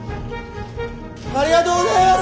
ありがとうごぜます！